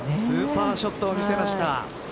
スーパーショットを見せました。